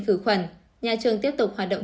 khử khuẩn nhà trường tiếp tục hoạt động